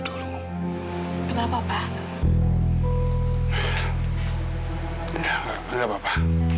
dulu kenapa pak enggak enggak enggak papa